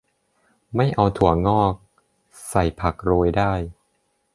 ไม่เอาถั่วงอก ใส่ผักโรยได้